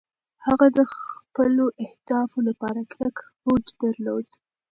هغه د خپلو اهدافو لپاره کلک هوډ درلود.